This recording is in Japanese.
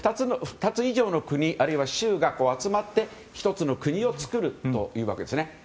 ２つ以上の国あるいは州が集まって１つの国を作るというわけですね。